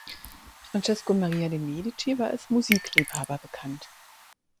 Francesco Maria de’ Medici war als Musikliebhaber bekannt.